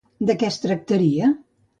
De què es tractaria?